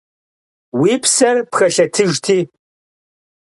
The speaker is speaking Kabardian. Уи псэр пхэлъэтыжти!